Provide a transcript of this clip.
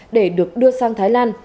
để được đưa sang thái lan